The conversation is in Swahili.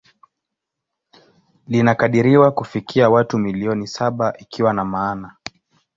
Linakadiriwa kufikia watu milioni saba ikiwa na maana